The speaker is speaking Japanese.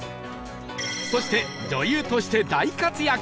そして女優として大活躍